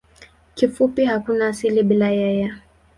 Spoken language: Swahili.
Kifupi hakuna asili bila yeye.